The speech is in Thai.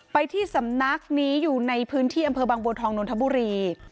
ไปที่สำนักนี้อยู่ในพื้นที่อำเภอบางบัวทองนนทบุรี